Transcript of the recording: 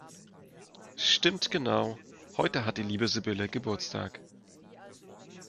Stimmt genau, heute hat die liebe Sibylle Geburtstag!